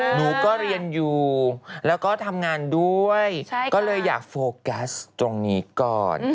หนูก็เรียนอยู่แล้วก็ทำงานด้วยก็เลยอยากโฟกัสตรงนี้ก่อน